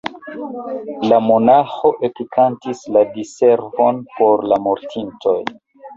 La monaĥo ekkantis la Diservon por la mortintoj.